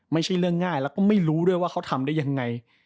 ไม่ใช่เรื่องง่ายแล้วก็ไม่รู้ด้วยว่าเขาทำได้ยังไง